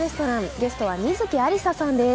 ゲストは観月ありささんです。